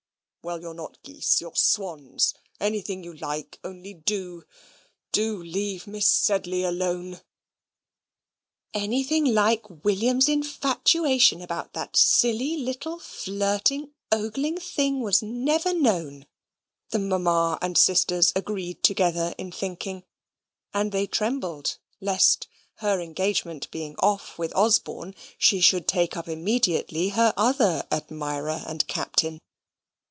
"Well, you're not geese, you're swans anything you like, only do, do leave Miss Sedley alone." Anything like William's infatuation about that silly little flirting, ogling thing was never known, the mamma and sisters agreed together in thinking: and they trembled lest, her engagement being off with Osborne, she should take up immediately her other admirer and Captain.